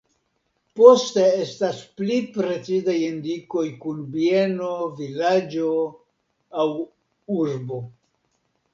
Poste estas pli precizaj indikoj kun bieno, vilaĝo aŭ urbo.